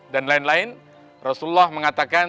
dan lain lain rasulullah mengatakan